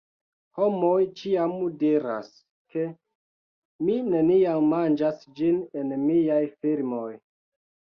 Homoj ĉiam diras, ke mi neniam manĝas ĝin en miaj filmoj